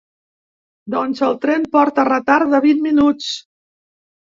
Doncs el tren porta retard de vint minuts.